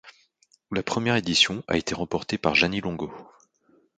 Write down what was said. La première édition a été remportée par Jeannie Longo.